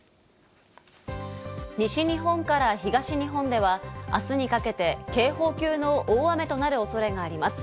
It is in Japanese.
西日本から東日本では、あすにかけて警報級の大雨となる恐れがあります。